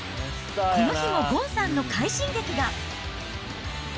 この日もゴンさんの快進撃が。